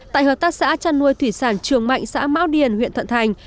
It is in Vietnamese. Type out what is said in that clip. tại hợp tác xã trăn nuôi thủy sản trường mạnh xã mão điền huyện thận thành